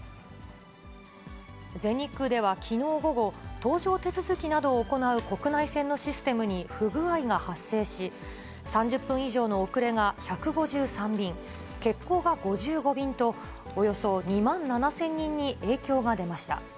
全日空ではきのう午後、搭乗手続きなどを行う国内線のシステムに不具合が発生し、３０分以上の遅れが１５３便、欠航が５５便と、およそ２万７０００人に影響が出ました。